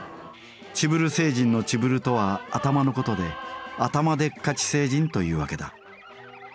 チブル星人のチブルとは頭のことで頭でっかち星人というわけだ。